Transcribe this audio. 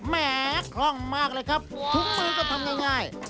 แหมคล่องมากเลยครับถุงมือก็ทำง่าย